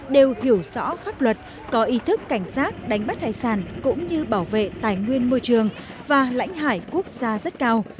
đều hiểu rõ pháp luật có ý thức cảnh sát đánh bắt hải sản cũng như bảo vệ tài nguyên môi trường và lãnh hải quốc gia rất cao